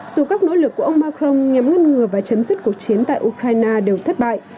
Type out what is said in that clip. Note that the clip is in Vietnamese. dù các nỗ lực của ông macron nhằm ngăn ngừa và chấm dứt cuộc chiến tại ukraine đều thất bại